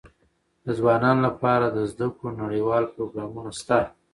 د ځوانانو لپاره د زده کړو نړيوال پروګرامونه سته.